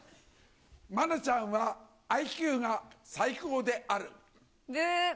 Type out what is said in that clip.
愛菜ちゃんはＩＱが最高であぶー。